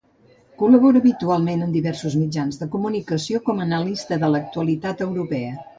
Col·labora habitualment en diversos mitjans de comunicació com a analista de l’actualitat europea.